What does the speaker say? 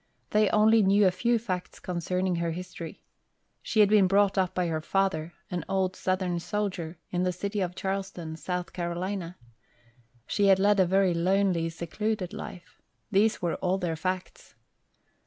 They only knew a few facts concerning her history. She had been brought up by her father, an old southern soldier, in the city of Charleston, South Carolina. She had led a very lonely, secluded life. These were all their facts.